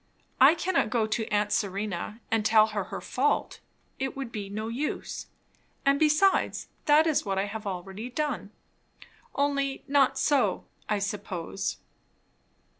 I cannot go to aunt Serena and tell her her fault; it would be no use; and besides, that is what I have done already, only not so, I suppose.